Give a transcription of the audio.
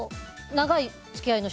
長い付き合いの人